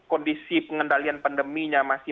kondisi pengendalian pandeminya masih